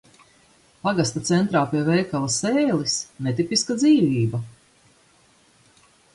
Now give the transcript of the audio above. Pagasta centrā pie veikala "Sēlis" netipiska dzīvība.